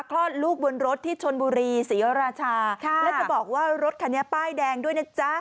คลอดลูกบนรถที่ชนบุรีศรีราชาและจะบอกว่ารถคันนี้ป้ายแดงด้วยนะจ๊ะ